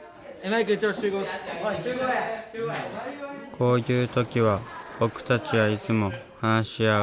こういう時は僕たちはいつも話し合う。